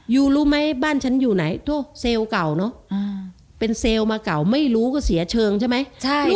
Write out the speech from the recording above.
ยูรู้ไหมบ้านฉันอยู่ไหนโทษเซลล์เก่าเนอะเป็นเซลล์มาเก่าไม่รู้ก็เสียเชิงใช่ไหมใช่